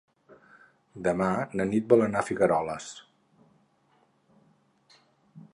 Demà na Nit vol anar a Figueroles.